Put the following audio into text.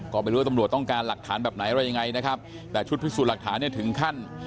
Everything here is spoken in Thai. ก็ไม่รู้ว่าตำรวจต้องการหลักฐานแบบไหนอะไรยังไงนะครับแต่ชุดพิสูจน์หลักฐานเนี่ยถึงขั้น